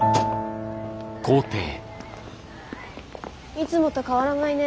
いつもと変わらないね。